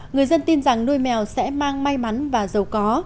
người dân tin rằng nuôi mèo sẽ mang may mắn và giàu có